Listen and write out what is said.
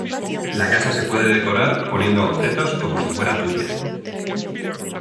La casa se puede decorar poniendo objetos como si fuera tuya.